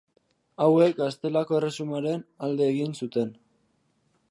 Hauek Gaztelako Erresumaren alde egin zuten.